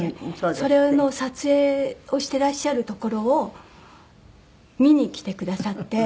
それの撮影をしてらっしゃるところを見に来てくださって。